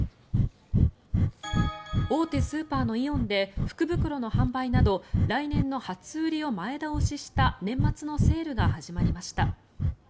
大手スーパーのイオンで福袋の販売など来年の初売りを前倒しした年末のセールが始まりました。